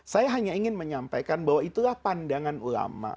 saya hanya ingin menyampaikan bahwa itulah pandangan ulama